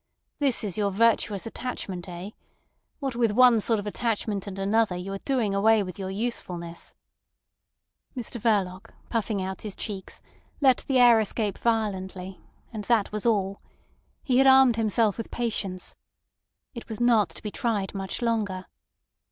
This is your virtuous attachment—eh? What with one sort of attachment and another you are doing away with your usefulness." Mr Verloc, puffing out his cheeks, let the air escape violently, and that was all. He had armed himself with patience. It was not to be tried much longer.